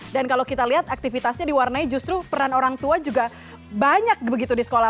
dan kalau kita lihat aktivitasnya diwarnai justru peran orang tua juga banyak begitu di sekolah